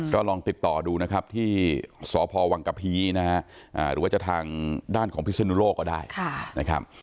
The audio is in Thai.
ก็ลองติดต่อดูนะครับที่สพวังกะพีนะฮะหรือว่าจะทางด้านของพิศนุโลกก็ได้นะครับ